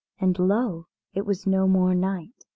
And lo! it was no more night.